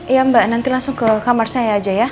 iya mbak nanti langsung ke kamar saya aja ya